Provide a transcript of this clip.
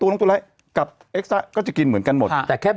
ตัวน้องตัวร้ายกับเอกสตาร์ทก็จะกินเหมือนกันหมด